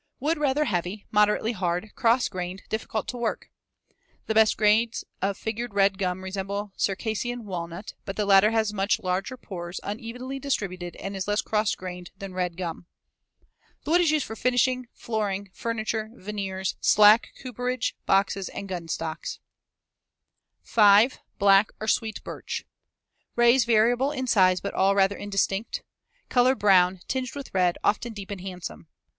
Wood rather heavy, moderately hard, cross grained, difficult to work. The best grades of figured red gum resemble Circassian walnut, but the latter has much larger pores unevenly distributed and is less cross grained than red gum. The wood is used for finishing, flooring, furniture, veneers, slack cooperage, boxes, and gun stocks. [Illustration: FIG. 152. Maple. (Magnified 25 times.)] 5. Black or sweet birch, Fig. 151. Rays variable in size but all rather indistinct. Color brown, tinged with red, often deep and handsome.